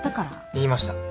言いました。